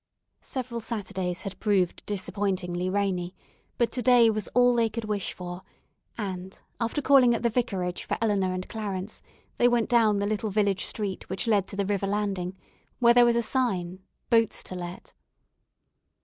Several Saturdays had proved disappointingly rainy, but to day was all they could wish for, and after calling at the vicarage for Eleanor and Clarence, they went down the little village street which led to the river landing, where there was a sign, "Boats to let."